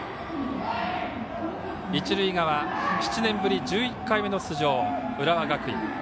一塁側、７年ぶり１１回目の出場浦和学院。